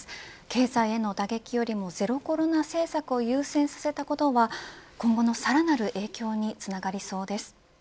経済への打撃よりもゼロコロナ政策を優先させたことは今後のさらなる影響につながりそうです。